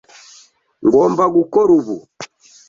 Ngomba gukora ubu.